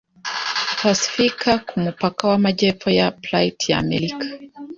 pasifika ku mupaka w’amajyepfo ya Plate ya Amerika